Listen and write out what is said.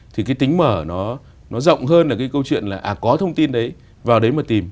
thì cái tính mở nó rộng hơn là cái câu chuyện là có thông tin đấy vào đấy mà tìm